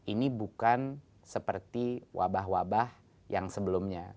ini bukan seperti wabah wabah yang sebelumnya